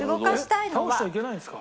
えっ倒しちゃいけないんですか？